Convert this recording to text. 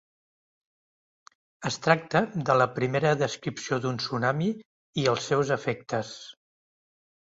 Es tracta de la primera descripció d'un tsunami i els seus efectes.